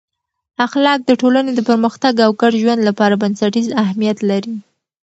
اخلاق د ټولنې د پرمختګ او ګډ ژوند لپاره بنسټیز اهمیت لري.